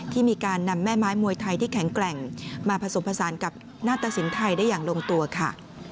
ที่มีการนำแม่ไม้มวยไทยที่แข็งแกร่งมาผสมผสานกับหน้าตะสินไทยได้อย่างลงตัวค่ะ